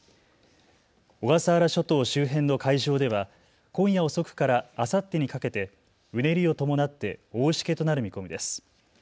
小笠原諸島周辺の海上では今夜遅くからあさってにかけてうねりを伴って大しけとなる見込みです。